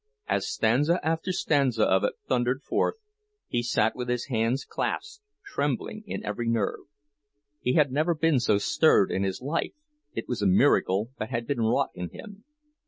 As stanza after stanza of it thundered forth, he sat with his hands clasped, trembling in every nerve. He had never been so stirred in his life—it was a miracle that had been wrought in him.